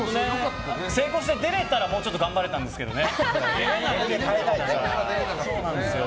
成功して出れたらもうちょっと頑張れたんですけどね。